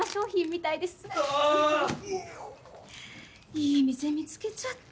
いい店見つけちゃった。